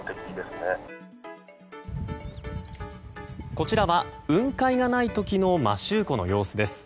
こちらは雲海がない時の摩周湖の様子です。